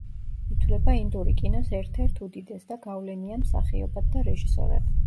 ითვლება ინდური კინოს ერთ-ერთ უდიდეს და გავლენიან მსახიობად და რეჟისორად.